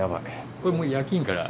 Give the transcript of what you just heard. これもう夜勤から？